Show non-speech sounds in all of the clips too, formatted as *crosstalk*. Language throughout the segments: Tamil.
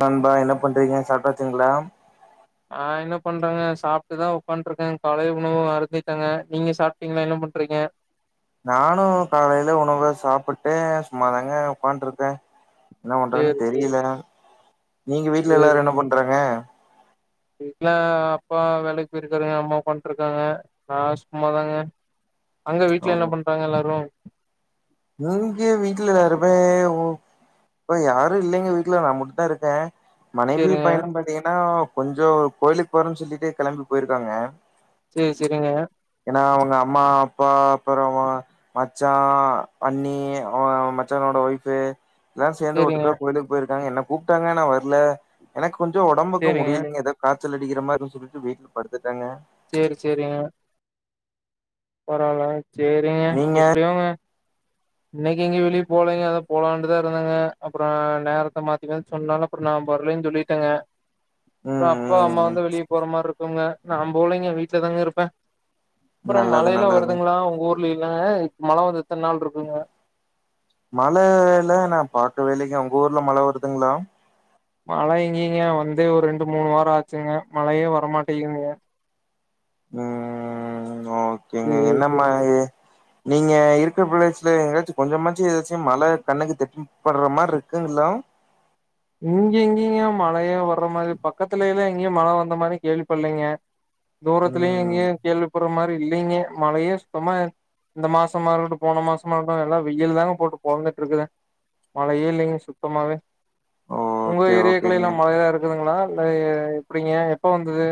நண்பா என்ன பண்றீங்க சாப்டாச்சுங்களா நா என்ன பண்றேங்க சாப்ட்டுதா உட்காண்ட்ருக்கே காலை உணவு அருந்திட்டேங்க நீங்க சாப்ட்டீங்களா என்ன பண்றீங்க நானு காலைல உணவ சாப்பிட்டே சும்மாதாங்க உட்காண்ட்டுருக்கே என்ன பண்றதுன்னு சேரி சேரி தெரியல நீங்க வீட்டுல எல்லாரு என்ன பண்றாங்க வீட்டுல அப்பா வேலைக்கு போயிருக்காருங்க அம்மா படுத்ருக்காங்க நா சும்மாதாங்க அங்க ஓ வீட்டு்ல என்ன பண்றாங்க எல்லாரு இங்க வீட்டுல எல்லாருமே ஓ இப்ப யாரு இல்லைங்க வீட்டுல நா மட்டுந்தான் இருக்கே மனைவியு சேரிங்க பையனு பா்த்தீங்கன்னா கொஞ்சம் கோயிலுக்கு போறேன்னு சொல்லிட்டு கெளம்பி போயிருக்காங்க சேரி சேரிங்க ஏன்னா அவங்க அம்மா அப்பா அப்பறமா மச்சா அண்ணி அவ மச்சானோட ஒய்ஃபு எல்லாரு சேந்து சேரிங்க ஒட்டுக்க கோயிலுக்கு போயிருக்காங்க என்ன கூப்ட்டாங்க நா வரல எனக்கு கொஞ்சோ ஒடம்புக்கு சேரிங்க முடியிலங்க எத காச்சல் அடிக்கரமானு சொல்லிட்டு வீட்ல படுத்துட்டேங்க சேரி சேரிங்க பரவால சேரிங்க நீங்க எப்டியோங்க *inaudible* இன்னைக்கு எங்க வெளிய போலைங்க அதா போலாண்டுதா இருந்தேங்க அப்பறம் நேரத்த மாத்தி மாத்தி சொன்னால அப்பற நா வரலன் சொல்லிட்டேங்க ம் அப்பா ம் அம்மா ம் வந்து வெளிய போற மாரி இருக்குங்க நா போலைங்க வீட்ல தாங்க இருப்பே நல்லது மழைல்லா நல்லது வருதுங்களா உங்க ஊர்லல்ல மழ வந்து எத்ன நாள் இருக்குங்க மழ இல நா பாக்கவேலிங்க உங்க ஊர்ல மழ வருதுங்ளா மழ எங்கீங்க வந்தே ஒரு ரெண்டு மூணு வார ஆச்சுங்க மழையே வரமாட்டேங்துக ம் ஓகேங்க சேரி என்ன ஓகே *unintelligible* நீங்க இருக்க ப்ளேஸ்ல எங்காச்சு கொஞ்சமாச்சு ஏதாச்சு மழ கண்ணுக்கு தென் பட்ற மாரி இருக்குங்ளா இங்க எங்கேங்க மழையே வர்ற மாரி பக்கத்துலல்லா எங்கேயு மழ வந்த மாரி கேள்வி பட்லேங்க *inaudible* தூரத்துலயு ம் எங்கயு கேள்விப்படற மாரி இல்லைங்க மழையே சுத்தமா இந்த மாசமா இருக்கட்டு போன மாசமாட்டு எல்லா வெயில் தாங்க போட்டு பொளந்துட்டு இருக்குது மழயே இல்லைங்க சுத்தமாவே உங்க ஓகே, ஓகேங்க. ஏரியாக்குள்ளேயல்லா மழயா இருக்குதுங்ளா இல்ல எ எப்டி ஏ எப்ப வந்தது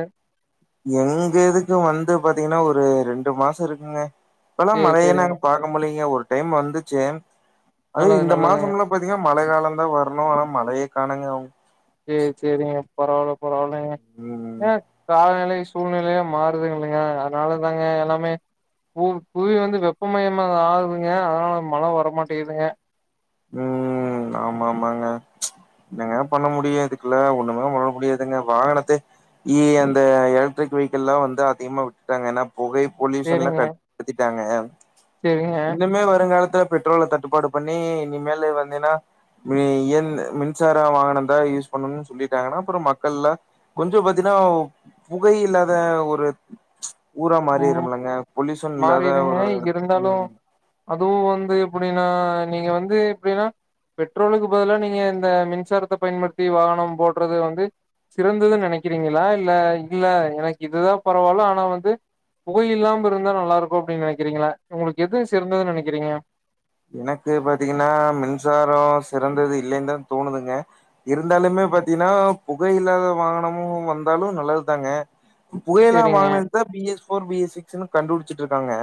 எங்க இதுக்கு வந்து பாத்தீங்ன்னா ஒரு ரெண்டு மாச இருக்குங்க இப்பல்லா சேரி மழயே சேரிங்க நாங்க பொம்பளைங்க ஒரு டைம் வந்துச்சு அதே நல்லது இந்த நல்லதுங்க மாசம்ல ப்ப பாத்தீங்னா மழ காலம்தா வரணு ஆனா மழயே காணுங்க அவங் சேரி சேரிங்க பரவால்ல பரவால்லங்க ம், ஏ காலநிலை சூழ்நிலையே மாறுதுங்ல்லைங்க அதனால தாங்க எல்லாமே பூ புவி வந்து வெப்பமயமா ஆவுதுங்க அதனால மழ வரமாட்டேகுதுங்க ம் ஆமா ஆமாங்க என்னங்க பண்ண முடியதுக்குல்ல ஒண்ணுமே பண்ண முடியாதுங்க வாகனத்தே இ அந்த எலக்ட்ரிக் வெஹைகல்லா வந்து அதிகமா விட்டாங்க ஏன்னா புகை பொல்யூஷன்ல சேரிங்க கட்பத்திட்டாங்க சேரிங்க இனிமே வருங்காலத்துல பெட்ரோல தட்டுப்பாடு பண்ணி இனிமேலு வந்தீன்னா என் மின்சார வாகன தா யூஸ் பண்ணணுனு சொல்லிட்டாங்ன்னா அப்பற மக்கள்லா கொஞ்சோ பாத்தீன்னா புகை இல்லாத ஒரு ஊரா ம் மாறிரும்லங்க பொல்யூசன் இல்லாத மாறிடுங்க ஒரு இருந்தாலு ம் அதுவு வந்து எப்டின்னா நீங்க வந்து எப்டின்னா பெட்ரோலுக்கு பதில நீங்க இந்த மின்சாரத்த பயன்படுத்தி வாகன ஓட்டுறது வந்து சிறந்ததுனு நெனைக்கிறீங்களா இல்ல இல்ல எனக்கு இதுதா பரவால்ல ஆனா வந்து புகை இல்லாம இருந்தா நல்லா இருக்கு அப்டின்னு நெனைக்கிறீங்களா உங்ளுக்கு எது சிறந்ததுன்னு நெனைக்கிறீங்க எனக்கு பாத்தீங்கன்னா மின்சார சிறந்தது இல்லேன்தா தோணுதுங்க இருந்தாலுமே பாத்தீங்கன்னா புகை இல்லாத வாகனமு வந்தாலு நல்லதுதாங்க புகயில்லா சேரிங்க வாகனத்துதா B S four B S சிக்ஸ்ன்னு கண்டுபிடிச்சுட்டு இருக்காங்க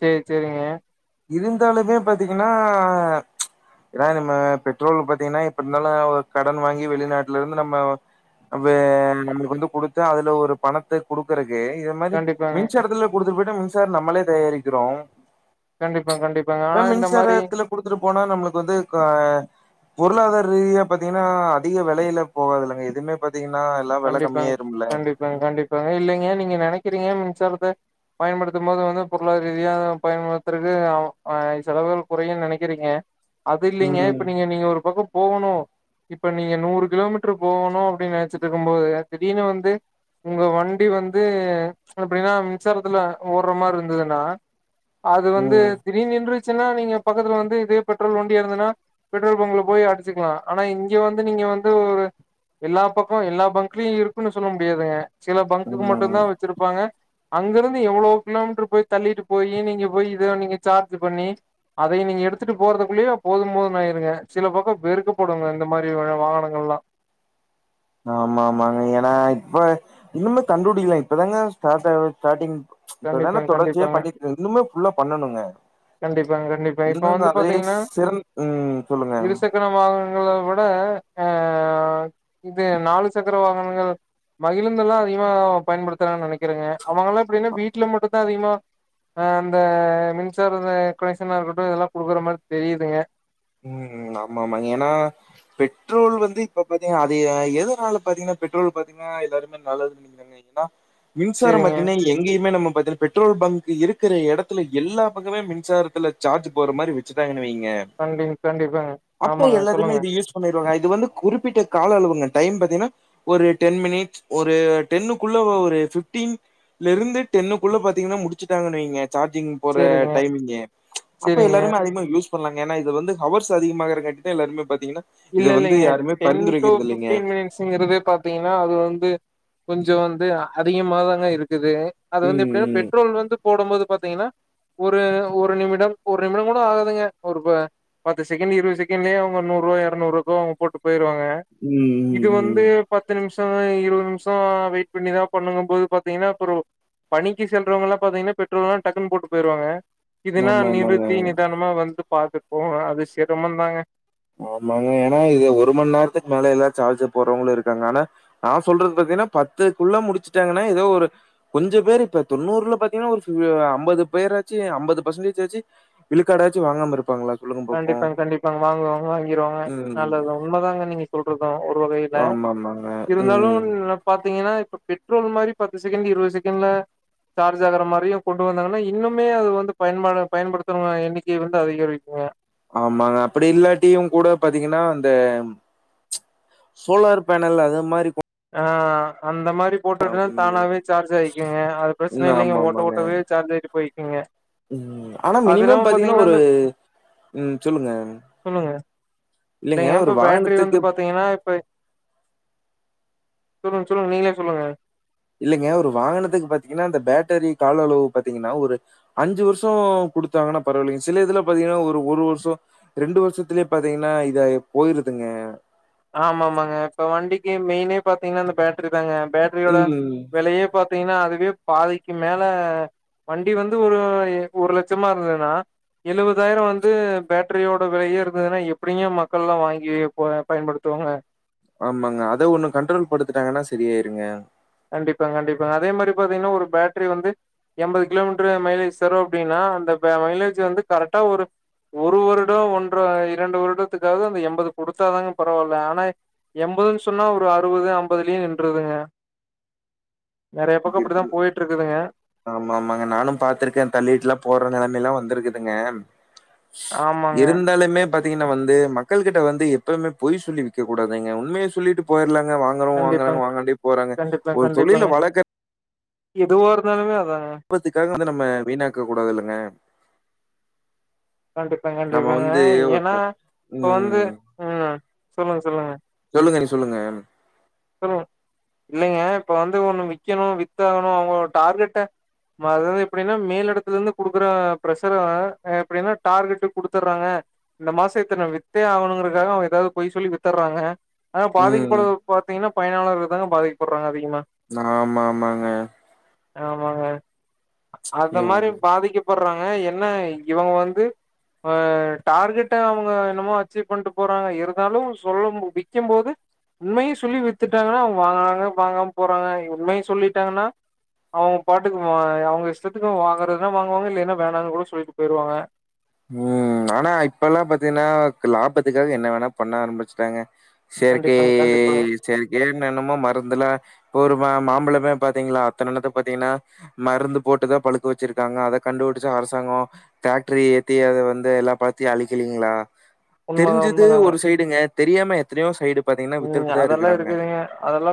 சேரி சேரிங்க இருந்தாலுமே பாத்தீங்கன்னா ஏன்னா நம்ம பெட்ரோலு பாத்தீங்கன்னா இப்ப இருந்தாலு கடன் வாங்கி வெளிநாட்டுல இருந்து நம்ம அப்ப நம்மளுக்கு வந்து குடுத்த அதுல ஒரு பணத்த குடுக்குறக்கு இந்த மாரி கண்டிப்பாங்க மின்சாரத்துல கொடுத்துட்டு போய்ட்ட மின்சாரம் நம்மளே தயாரிக்கிறோ கண்டிப்பா கண்டிப்பாங்க ஆனா இந்த மாரி ல குடுத்துட்டு போனா நம்ளுக்கு வந்து கா பொருளாதார ரீதியா பாத்தீங்கன்னா அதிக வெலைல போகாதில்லங்க எதுமே ப்ப பாத்தீங்கன்னா எல்லா வெல கம்மியாய்ரும்ல அ கண்டிப்பாங்க இல்லிங்க நீங்க நெனைக்கிறீங்க மின்சாரத்த பயன்படுத்தும் போது வந்து பொருளாதார ரீதியா பயன்படுத்துறது அவ் செலவுகள் கொறையுன் நெனைக்கிறீங்க அது இல்லிங்க ம் இப்ப நீங்க நீங்க ஒரு பக்க போகணு இப்ப நீங்க நூறு கிலோமீட்டர் போகணு அப்டின் நெனைச்சிட்டுருக்கும்போது திடீர்னு வந்து உங்க வண்டி வந்து எப்டின்னா மின்சாரத்துல ஓட்ற மாரி இருந்ததுன்னா அது வந்து ம் திடீர்னு நின்றுச்சின்னா நீங்க பக்கத்துல வந்து இதே பெட்ரோல் வண்டியா இருந்ததுன்னா பெட்ரோல் பங்க்ல போய் அடிச்சுக்கலா ஆனா இங்க வந்து நீங்க வந்து ஒரு எல்லா பக் கோ எல்லா பங்க்லயு இருக்குன்னு சொல்ல முடியாதுங்க சில பங்குக்கு ம் மட்டுதா வச்சிருப்பாங்க அங்கருந்து எவ்ளோ கிலோமீட்டரு போய் தள்ளிட்டுப்போயி நீங்க போய் இதோ நீங்க சார்ஜ் பண்ணி அதை நீங்க எடுத்துட்டு போறதுக்குள்ளயே போது போது ஆயிருங்க சில பக்க வெறுக்கப்படுங்க இந்த மாரி வ வாகனங்கள்லா ஆமா ஆமாங்க ஏன்னா இப்ப இன்னுமே கண்டுப்புடிக்கலங்க இப்பதாங்க ஸ்டார்ட்டாகுது ஸ்டார்டிங் இப்பதான கண்டிப்பாங்க தொடர்ச்சியா கண்டிப்பாங்க பண்ணிட்டு இன்னுமே ஃபுல்லா பண்ணணுங்க கண்டிப்பாங்க கண்டிப்பா இப்ப இங்கதாங்க வந்து அதுயே சேம் ம் சொல்லுங்க பிற வாகனங்கள விட ஆ இது நாலு சக்கர வாகனங்கள் மகிழுந்தெல்லா அதிகமா பயன்படுத்றான் நெனைக்கிறேங்க அவங்கல்லா எப்டின்னா வீட்ல மட்டுதா அதிகமா ஆ அந்த மின்சார இந்த கனெக்ஷனா இருக்கட்டு இதெல்லா குடுக்குற மாரி தெரிதுங்க ம் ம் ஆமா ஆமா ஏன்னா பெட்ரோல் வந்து இப்ப பாத்தீங்கான்னா அது எ எதனால பாத்தீங்கன்னா பெட்ரோல் பாத்தீங்கன்னா எல்லாருமே நல்லதுன்னு *inaudible* ப்ப மின்சார சேரிங்க பாத்திங்னா இப்ப எங்கயுமே நம்ம பாத்திங்கன்னா பெட்ரோல் பங்க் இருக்கிற எடத்துல எல்லா பக்கமே மின்சாரத்துல சார்ஜ் போட்ற மாரி வச்சுடாங்கனு வைங்க கண்டிங் கண்டிப்பாங்க அப்ப ஆமாங்க எல்லாத்திலயுமே சொல்லுங்க இது யூஸ் பண்ணிருவாங்க இது வந்து குறிப்பிட்ட கால அளவுங்க டைம் பாத்தீங்கன்னா ஒரு டென் மினிட்ஸ் ஒரு டென்னுக்குள்ள ஒரு ஃபிஃப்டீன் லருந்து டென்னுக்குள்ள பாத்தீங்கன்னா முடிச்சுட்டாங்கன்னு வைங்க சார்ஜிங் ஒரு சேரிங்க டைமிங்கு அப்ப சேரிங்க எல்லாருமே அதிகமா யூஸ் பண்லாங்க ஏன்னா இது வந்து ஹவர்ஸ் அதிகமாகுறக்காட்டிதா எல்லாருமே பாத்தீங்கன்னா இல்ல இத வந்து யாருமே பரிந்துரைக்கிறது இல்லைங்க ஸ்ங்கிறதே பாத்தீங்கன்னா அது வந்து கொஞ்சோ வந்து அதிகமாதாங்க இருக்குது அது வந்து ம், எப்டின்னா ம். பெட்ரோல் வந்து போடும் போது பாத்தீங்கன்னா ஒரு ஒரு நிமிடம் ஒரு நிமிடம் கூட ஆகாதுங்க ஒரு ப பத்து செகண்ட் இருவது செகண்ட்லே அவங்க நூருவா கேப் எரநூறுக்கு அவங்க போட்டு போயிருவாங்க ம், இது ம், வந்து ம். பத்து நிம்ஷோ இருவது நிம்ஷோ வெயிட் பண்ணிதா பண்ணனும்போது பாத்தீங்ன்னா அப்றோ பணிக்கு செல்றவங்கெல்லா பாத்தீங்கன்னா பெட்ரோல்லா டக்குன் போட்டு போயிருவாங்க இதுனா ஆமாமாங்க. நிறுத்தி நிதான மா வந்து பாத்துட் போவாங்க அது சிரமந்தாங்க ஆமாங்க ஏனா இது ஒரு மண் நேரத்துக் மேலயெல்லா சார்ஜு போட்றவங்களு இருக்காங்க ஆனா நா சொல்றது பாத்தீங்னா பத்துக்குள்ள முடிச்சுட்டாங்கன்னா எதோ ஒரு கொஞ்ச பேர் இப்ப தொண்ணூர்ல பாத்தீங்னா ஒரு ஃபி அ அம்பது பேராச்சு அம்பது பர்சன்டேஜ் ஆச்சு விழுக்காடாச்சு வாங்காம இருப்பாங்ளா கண்டிப்பாங்க கண்டிப்பாங்க வாங்குறவங்க வாங்கிருவாங்க ம். நல்லதுதா உண்மதாங்க நீங்க சொல்றது ஒரு வகைல ஆமாமாங்க. இருந்தாலு ம். நப் பாத்தீங்கன்னா இப்ப பெட்ரோல் மாரி பத்து செகண்ட் இருவது செகண்ட்ல சார்ஜ் ஆகுற மாரியு கொண்டு வந்தாங்கன்னா இன்னுமே அது வந்து பயன்படா பயன்படுத்துறவங்க எண்ணிக்கை வந்து அதிகரிக்குங்க ஆமாங்க அப்பிடியில்லாட்டியு கூட பாத்தீங்கன்னா அந்த சோலார் பேனல் அது மாரி கொ ஆ அந்த மாரி போட்டுட்னா ம். தானாவே சார்ஜ் ஆய்க்குங்க அது பிரஸ்சன ம். இல்லைங்க ஓட்ட ஆமாமாங்க. ஓட்டவே சார்ஜ் ஆய்ட்டு போய்க்குங்க ம் ஆனா அது மினிமம் இல்லாம பாத்தீங்ன்னா பாத்தீங்கன்னா ஒரு இந்த ம் சொல்லுங்க இந்த இ இல்லங்க எம் டூ ஒரு பேட்ரி வந்து வாகனத்துக்கு பாத்தீங்கன்னா இப்ப சொல்லுங் சொல்லுங்க நீங்ளே சொல்லுங்க இல்லங்க ஒரு வாகனத்துக்கு பாத்தீங்கன்னா அந்த பேட்டரி கால அளவு பாத்தீங்கன்னா ஒரு அஞ்சு வர்ஷோ குடுத்தாங்கன்னா பரவால்லிங்க சில இதுல பாத்தீங்கனா ஒரு ஒரு வர்ஷோ ரெண்டு வர்ஷத்துலே பாத்தீங்கன்னா இதாயி போயிருதுங்க ஆமா ஆமாங்க இப்ப வண்டிக்கு மெய்னே பாத்தீங்னா அந்த பேட்ரி தாங்க பேட்ரியோட ம். வெலையே பாத் தீங்ன்னா அதுவே பாதிக்கு மேல வண்டி வந்து ஒரு எ ஒரு லட்சமா இருந்துதுனா எழுவதாய்ரோ வந்து பேட்ரியோட விலையே இருந்துதுனா எப்டிங்க மக்கள்ல்லா வாங்கி ப பயன்படுத்துவாங்க ஆமாங்க அத ஒன்னு கண்ட்ரோல் படுத்துட்டாங்கன்னா சரியாய்ருங்க கண்டிப்பாங் கண்டிப்பாங்க அதே மாரி பாத்தீங்னா ஒரு பேட்ரி வந்து எம்பது கிலோமீட்ரு மைலேஜ் தரு அப்டீனா அந்த ப மைலேஜு வந்து கரெக்ட்டா ஒரு ஒரு வருடோ ஒன்ற இரண்டு வருடத்துக்காவ்து அந்த எம்பது குடுத்தாதாங்க பரவால்ல ஆனா எம்பதுன் சொன்னா ஒரு அறுவது அம்பதுலயே நின்றுதுங்க நெறையா பக்கோ அப்டிதா போய்ட்ருக்குதுங்க ஆமா ஆமாங்க நானு பாத்துருக்க தள்ளீட்லா போற நெலமைலா வந்திருக்குதுங்க ஆமாங்க. இருந்தாலுமே பாத்தீங்கன்னா வந்து மக்கள்கிட்ட வந்து எப்பவ்மே பொய் சொல்லி விக்கக் கூடாதுங்க உண்மைய சொல்லீட்டு போயர்லாங்க வாங் கறவ்ங்க வாங்கறாங்க கண்டிப்பாங்க, வாங்காட்டி போறாங்க கண்டிப்பாங்க, ஒரு தொழில கண்டிப்பாங்க. வளக்க எதுவா இருந்தாலுமே அதாங்க உற்பத்திக்காக வந்து நம்ம வீணாக்கக் கூடாதுல்லங்க கண்டிப்பாங் நம்ம கண்டிப்பாங்க வந்து ஏனா இப்ப வந்து ம் ம் சொல்லுங் சொல்லுங்க சொல்லுங்க நீ சொல்லுங்க ம் சொல்லுங் இல்லைங்க இப்ப வந்து ஒன்னு விக்கணு வித்தாகணு அவுங்களோட டார்கெட்ட ம் அதாவ்து எப்டின்னா மேல் எடத்துலர்ந்து குடுக்கற ப்ரெஷர எப்டினா டார்கெட்டுக் குடுத்தர்றாங்க இந்த மாசோ இத்தன வித்தே ஆகணுங்கறக்காக அவங் எதாவ்து பொய் சொல்லி வித்தர்றாங்க ஆனா ம் பாதிக்கப்பட்றது பாத்தீங்கன்னா பயனாளர்கள் தாங்க பாதிக்ப்பட்றாங்க அதிகமா ந ஆமா ஆமாங்க ஆமாங்க அத ஐயோ மாரி பாதிக்கப் கூப்பட்றாங்க என்ன இவங்க வந்து அ டார்கெட்ட அவுங்க என்னமோ அச்சீவ் பண்ட்டு போறாங்க இருந்தாலு சொல்லம் விக்கம் போது உண்மைய சொல்லி வித்துட்டாங்கனா அவுங் வாங்கறாங்க வாங்காம போறாங்க உண்மைய சொல்லீட்டாங்கன்னா அவங்க பாட்டுக்கு அ அவுங்க இஷ்டத்துக்கு வாங்கறதுனா வாங்குவாங்க இல்லைன்னா வேணானுகூட சொல்லீட்டு போயிருவாங்க ம் ஆனா இப்பல்லா பாத்தீங்கன்னா லாபத்துக்காக என்ன வேணா பண்ண ஆரம்பிச்சுட்டாங்க செயற்கை கண்டிப்பாங்க கண்டிப்பாங்க. செயற்கையே என்ன என்னமோ மருந்துல இப்ப ஒரு மா மாம்பழமே பாத்தீங்களா அத்தனனெத்த பாத்தீங்கன்னா மருந்து போட்டுதா பழுக்க வெச்சிருக்காங்க அத கண்டுபிடிச்ச அரசாங்கம் ஃபேக்ட்ரி த்து அத வந்து எல்லா பழத்தியு அழிக்கலீங்ளா உண்மதா தெரிஞ்சது உண்மதாங்க. ஒரு சைடுங்க தெரியாம எத் தனையோ சைடு பாத்தீங்கன்னா வித்துட்டுதா இருக்காங்க அ அதெல்லா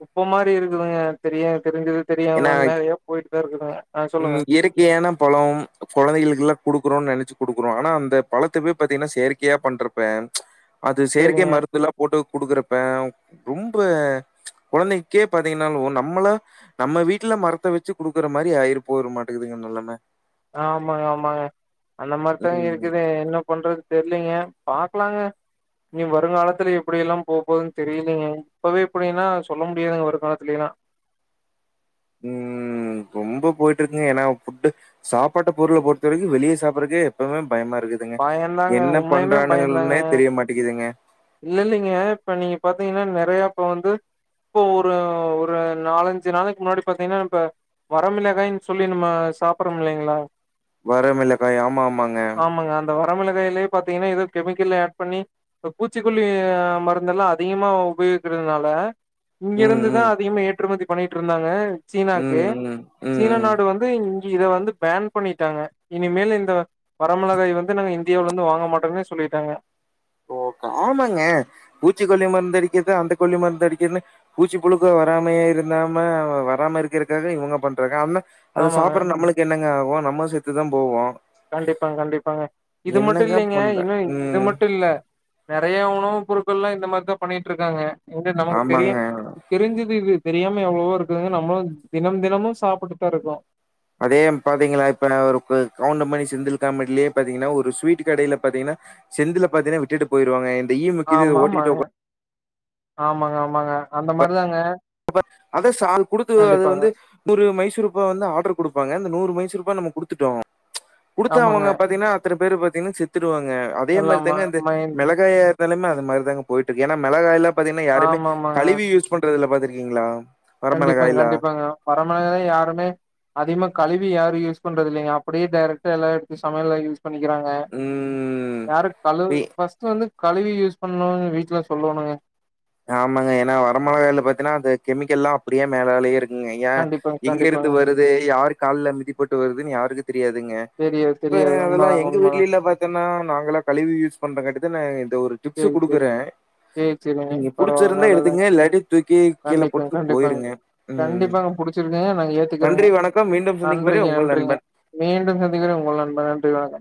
குப்ப மாரி இருக்குதுங்க தெரியா தெரிஞ்சது தெரியாம ஏன்னா நெறையா போயிட்டுதா இருக்குதுங்க அ சொல்லுங்க யான பழோம் கொழந்தைகளுக்கெல்லா குடுக்கறோன் நெனச்சு குடுக்கறோ ஆனா அந்த பழத்தவே பாத்தீங்கன்னா செயற் கையா பண்றப்ப அது செயற்கை சரிங்க. மருந்துல போட்டு குடுக்குறப்ப ரொம்ப கொழந்தைக்கே பாத்தீங்கன்னாலு நம்மளா நம்ம வீட்ல மரத்த வச்சு குடுக்கற மாரி ஆயிரு போயிரு மாட்டுங்குதுங்க நெலம ஆமாங்க ஆமாங்க அந்த மார்தாங்க ம் இருக்குது என்ன பண்றது தெர்லைங்க பாக்கலாங்க இனி வருங்காலத்துல எப்பிடி எல்லா போபோதுன் தெரிலைங்க இப்பவே இப்பிடின்னா சொல்ல முடியாதுங்க வருங்காலத்துலேல்லா ம் ரொம்ப போயிட்டு ம் இருக்குங்க ஏன்னா ஃபுட்டு் சாப்பாட்ட பொருள பொறுத்த வரைக்கு வெளிய சாப்பட்றக்கே எப்பமே பயமா இருக்குது துங்க பயந்தாங்க என்ன உண்மையுமே பயந்தாங்க. பண்றானுகள்னே தெரிய மாட்டேக்குதுங்க இல்ல இல்லேங்க இப்ப நீங்க பாத்தீங்கன்னா நெறைய இப்ப வந்து இப்போ ஒரு ஒரு நாலஞ்சி நாளைக்கு முன்னாடி பாத்தீங்கன்னா இப்ப வரமிளகாயின்னு சொல்லி நம்ம சாப்ரோமில்லைங்ளா வரமிளகாய் ஆமா ஆமாங்க இந்த வரமிளகாய்யிலே பாத்தீங்கன்னா எதோ கெமிக்கல் ஆட் பண்ணி இப்ப பூச்சிக்கொல்லி மருந்தெல்லா அதிகமா உபயோகிக்கிறனால ம் இங்கருந்துதா ம் அதிகமா ஏற்றுமதி பண்ணிட்டு இருந்தாங்க சீனாக்கு ம் ம் ம் சீன ம் நாடு வந்து இங்க இத வந்து பேன் பண்ணிட்டாங்க இனிமேல் இந்த வரமிளகாய் வந்து நாங்க இந்தியாவுலருந்து வாங்க மாட்டோங்கன்னே சொல்லிட்டாங்க ஓ காமாங்க பூச்சிக்கொல்லி மருந்து அடிக்கிறது அந்த கொல்லி மருந்து அடிக்கன்னு பூச்சி புழுக்க வராமையே இருந்தாம வராம இருக்கிறதுக்காக இவங்க பண்றாங்க அம்ம அத ஆமாங்க சாப்ற நம்மளுக்கு என்னங்க ஆகு நம்ம செத்துதா போவோ கண்டிப்பாங்க கண்டிப்பாங்க இது மட்டு என்னங்க இல்லைங்க பண்ற இன்னு இது ம் மட்டு இல்ல நறைய உணவு பொருட்கள் எல்லா இந்த மாறிதா பண்ணிட்டு இருக்காங்க இந்து நமக்கு தெரியு ஆமாங்க தெரிஞ்சுது இது தெரியாம எவ்ளவோ இருக்குதுங்க நம்மளு தினம் தினமு சாப்புட்டு தா இருக்கோ அதே பாத்தீங்களா இப்ப ஒரு குவ கவுண்ட மணி செந்தில் காமெடிலே பாத்தீங்கன்னா ஒரு ஸ்வீட் கடேல பாத்தீங்கன்னா செந்தில பாத்தேனா விட்டுட்டு போயிடுவாங்க இந்த ஈவு ஆமா ஆமாங்க ஆமாங்க ஆமாங்க அந்த மாறி தாங்க அப்ப அத சால் குடுக்குது அது வந்து நூறு மைசூர்பா வந்து ஆர்டர் குடுப்பாங்க இந்த நூறு மைசூர்பா நம்ம குடுத்துட்டோ குடுத்த ஆமாங்க அவங்க பாத்தீங்கனா இத்தன பேர் பாத்தீங்கனா செத்துருவாங்க அதே மாறி எல்லாம தாங்க இந்த மைண்ட் மிளகாய நெலம அது மாறிதா போயிட்டு இருக்கு ஏனா மிளகாயல்லா பாத்தீங்கனா யாரும ஆமாமாங்க கழிவி யூஸ் பண்றது இல்ல பாத்திருக்கீங்ளா கண்டிப்பா கண்டிப்பாங்க பரமலேதே யாருமே அதிகமா கழுவி யாரு யூஸ் பண்றது இல்லங்க அப்டியே டரெக்டா எல்லா எடுத்து சமையல்ல யூஸ் பண்ணிக்கிறாங்க ம். யாரு கழு வி ஃபர்ஸ்டு வந்து கழுவி யூஸ் பண்ணுன்னு வீட்ல சொல்லுவானுங்க ஆமாங்க ஏனா வர மொளகாய்ல பாத்தீனா அது கெமிக்கல்லா அப்டியே மேலாலேயே இருக் இங்க ஏ கண்டிப்பாங்க எங்க இருந்து கண்டிப்பாங்க வருது யாரு கால்ல மிதிப்பட்டு வருதுன்னு யாருக்கு தெரியாதுங்க தெரியாது இப்ப தெரியாது அதெல்லா உண்மதாங்க எங்க வீட்ல உண்மதாங்க இல்லலே பாத்தன்னா நாங்கெல்லா கழிவி யூஸ் பண்றங்காட்டிதான இந்த ஒரு டிப்ஸு சேரி சேரி குடுக்குறேன். சேர் செரிங்க நீங்க பரவாயில்ல புடிச்சிருந்தா எடுத்துங்க நல்லதுதாங்க இல்லாட்டி தூக்கி கீழ கண்டிப்பா போட்டுட்டு கண்டிப்பா போயிருங்க. ம். கண்டிப்பாங்க புடிச் சிருக்குங்க நாங்க ஏத்துக்கிறங்க நன்றி, வணக்கம். மீண்டும் சந்திக்கும் வரை நன்றிங்க உங்கள் நண்பன். நன்றிங்க மீண்டும் சிந்திக்கிறே உங்கள் நண்பன் நன்றி வணக்கோ